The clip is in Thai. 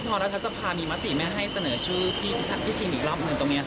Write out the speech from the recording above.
พอรัฐสภามีมติไม่ให้เสนอชื่อพี่ทิมอีกรอบหนึ่งตรงนี้